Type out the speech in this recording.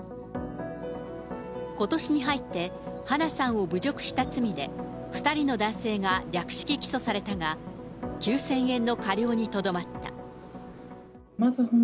ことしに入って、花さんを侮辱した罪で、２人の男性が略式起訴されたが９０００円の科料にとどまった。